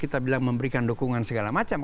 kita bilang memberikan dukungan segala macam